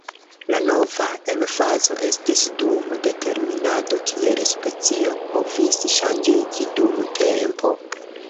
La nova emfazo estis dum determinado kiel specio povis ŝanĝiĝi dum tempo.